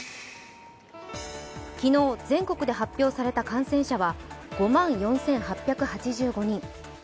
昨日、全国で発表された感染者は５万４８８５人。